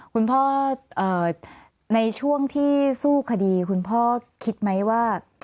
คุณพ่อในช่วงที่สู้คดีคุณพ่อคิดไหมว่า